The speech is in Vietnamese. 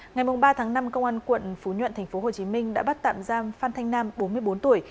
ngày ba tháng năm công an quận phú nhuận tp hcm đã bắt tạm giam phan thanh nam bốn mươi bốn tuổi